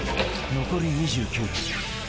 残り２９分。